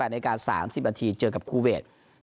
นาที๓๐นาทีเจอกับคูเวท